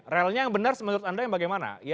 relnya yang benar menurut anda yang bagaimana